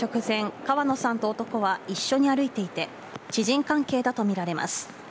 事件直前、川野さんと男は一緒に歩いていて、知人関係だと見られます。